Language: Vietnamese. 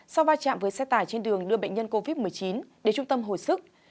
sau va chạm với xe tải trên đường đưa bệnh nhân covid một mươi chín đến trung tâm hồi sức